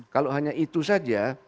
kalau hanya itu saja